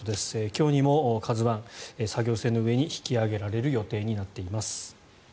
今日にも「ＫＡＺＵ１」作業船の上に引き揚げられる予定になっています。